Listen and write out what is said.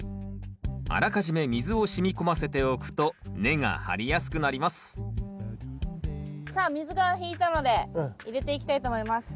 あらかじめ水をしみ込ませておくと根が張りやすくなりますさあ水が引いたので入れていきたいと思います。